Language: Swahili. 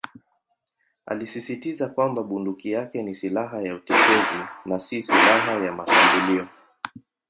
Alisisitiza kwamba bunduki yake ni "silaha ya utetezi" na "si silaha ya mashambulio".